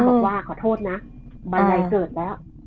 น้าบอกว่าขอโทษนะบรรยายเกิดแล้ว